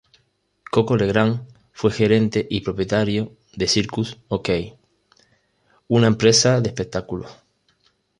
Coco Legrand fue gerente y propietario de Circus Ok, una empresa de espectáculos.